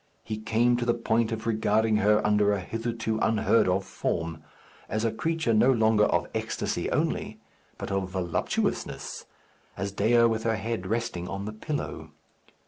He came to the point of regarding her under a hitherto unheard of form; as a creature no longer of ecstasy only, but of voluptuousness; as Dea, with her head resting on the pillow.